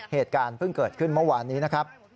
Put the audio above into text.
เหตุการณ์เพิ่งเกิดขึ้นเมื่อวานนี้นะครับ